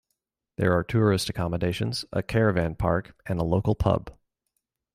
There are tourist accommodations, a caravan park, and a local pub.